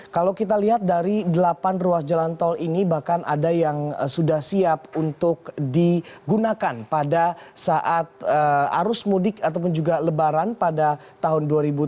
kalau kita lihat dari delapan ruas jalan tol ini bahkan ada yang sudah siap untuk digunakan pada saat arus mudik ataupun juga lebaran pada tahun dua ribu tujuh belas